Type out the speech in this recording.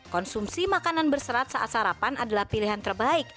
konsumsi makanan berserat saat sarapan adalah pilihan terbaik